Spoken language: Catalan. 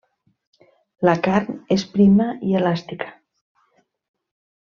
La carn és prima i elàstica.